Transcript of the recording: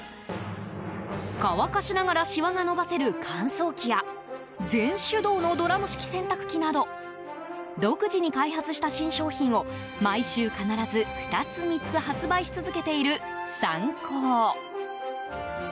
乾かしながらしわが伸ばせる乾燥機や全手動のドラム式洗濯機など独自に開発した新商品を毎週必ず２つ、３つ発売し続けているサンコー。